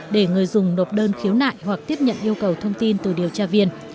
để người dùng nộp đơn khiếu nại hoặc tiếp nhận yêu cầu thông tin từ điều tra viên